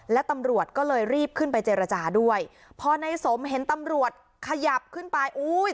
และตำรวจก็เลยรีบขึ้นไปเจรจาด้วยพอในสมเห็นตำรวจขยับขึ้นไปอุ้ย